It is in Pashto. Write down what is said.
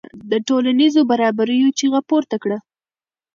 د ټولنیزو برابریو چیغه پورته کړه.